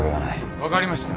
分かりました。